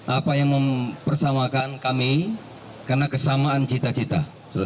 apa yang mempersamakan kami karena kesamaan cita cita